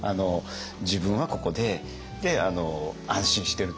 自分はここで安心してるっていうか